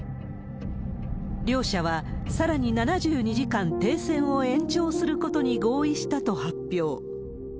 両者は、さらに７２時間停戦を延長することに合意したと発表。